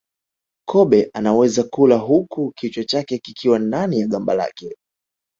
Kobe anaweza kula huku kichwa chake kikiwa ndani ya gamba lake